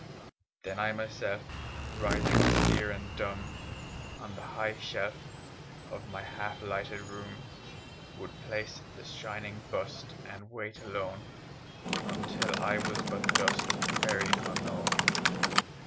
Then I myself, Rising austere and dumb On the hight shelf Of my half lighted room, Would place the shining bust And wait alone, Until I was but dust, Buried unknown.